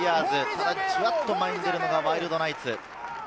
ただ、じわっと前に出るのがワイルドナイツ。